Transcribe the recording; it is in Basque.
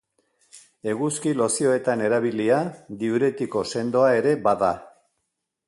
Eguzki-lozioetan erabilia, diuretiko sendoa ere bada.